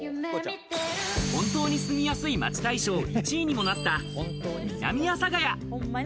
本当に住みやすい街大賞１位にもなった南阿佐ヶ谷。